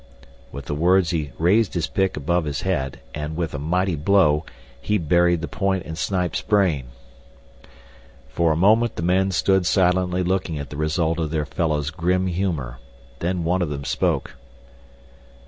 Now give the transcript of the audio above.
With the words he raised his pick above his head, and, with a mighty blow, he buried the point in Snipes' brain. For a moment the men stood silently looking at the result of their fellow's grim humor. Then one of them spoke.